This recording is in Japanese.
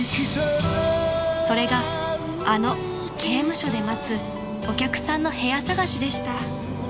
［それがあの刑務所で待つお客さんの部屋探しでした］